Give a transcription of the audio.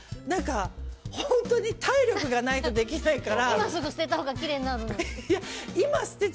本当に体力がないとできないから。